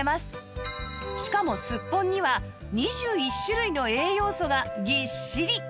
しかもすっぽんには２１種類の栄養素がぎっしり！